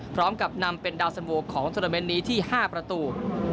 พร้อมกับนำเป็นดาวสมวงของธุรกิจนี้ที่๕ประตู